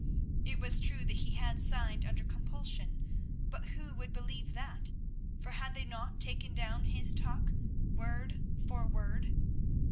It was true that he had signed under compulsion, but who would believe that, for had they not taken down his talk word for word?